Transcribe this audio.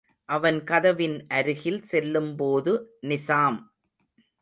அவன் கதவின் அருகில் செல்லும்போது, நிசாம்.